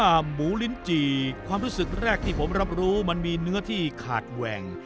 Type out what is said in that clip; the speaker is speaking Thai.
หมูลิ้นจี่ความรู้สึกแรกที่ผมรับรู้มันมีเนื้อที่ขาดแหว่ง